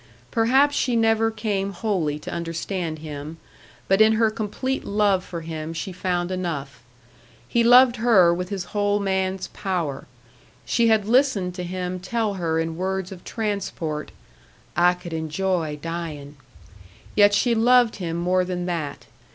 Perhaps she never came wholly to understand him; but in her complete love for him she found enough. He loved her with his whole man's power. She had listened to him tell her in words of transport, "I could enjoy dying"; yet she loved him more than that.